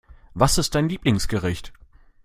Was ist dein Lieblingsgericht?